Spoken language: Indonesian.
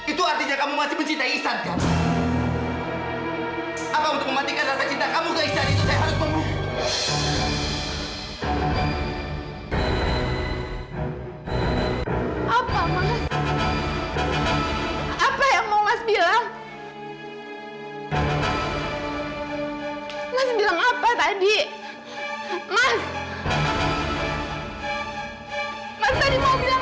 itu artinya kamu masih mencintai isan kan